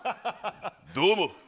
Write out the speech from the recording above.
どうも。